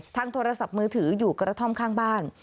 โทรศัพท์มือถืออยู่กระท่อมข้างบ้าน